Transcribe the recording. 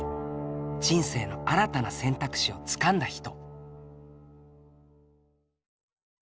人生の新たな選択肢をつかんだ人。